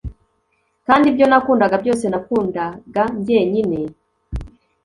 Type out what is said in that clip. Kandi ibyo nakundaga byose nakundaga njyenyine